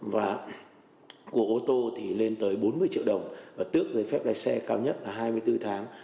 và của ô tô thì lên tới bốn mươi triệu đồng và tước giấy phép lái xe cao nhất là hai mươi bốn tháng